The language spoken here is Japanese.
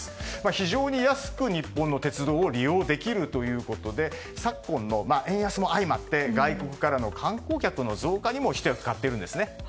非常に安く日本の鉄道を利用できるということで昨今の円安も相まって外国からの観光客の増加にもひと役買っているんですね。